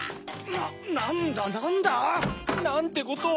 なんだなんだ？なんてことを！